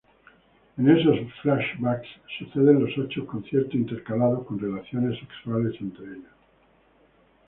En esos flashbacks suceden los ocho conciertos intercalados con relaciones sexuales entre ellos.